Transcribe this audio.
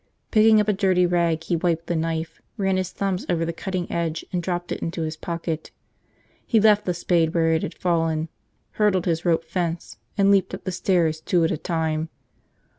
Picking up a dirty rag, he wiped the knife, ran his thumb over the cutting edge, and dropped it into his pocket. He left the spade where it had fallen, hurdled his rope fence and leaped up the stairs two at a time.